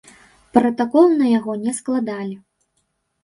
Пратакол на яго не складалі.